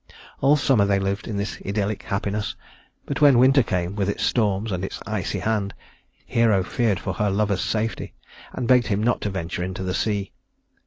All summer they lived in this idyllic happiness, but when winter came with its storms and its icy hand, Hero feared for her lover's safety and begged him not to venture into the sea.